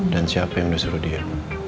dan siapa yang udah suruh dia